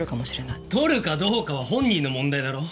取るかどうかは本人の問題だろ。